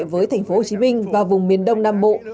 với tp hcm và vùng miền đông nam bộ